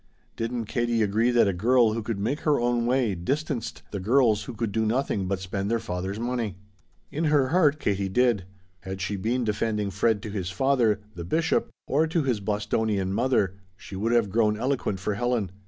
Didn't Katie agree that a girl who could make her own way distanced the girls who could do nothing but spend their fathers' money? In her heart, Katie did; had she been defending Fred to his father, the Bishop, or to his Bostonian mother, she would have grown eloquent for Helen.